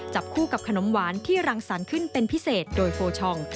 จับคู่กับขนมหวานที่รังสรรค์ขึ้นเป็นพิเศษโดยโฟชอง